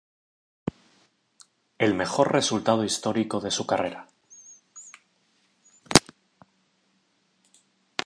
El mejor resultado histórico de su carrera.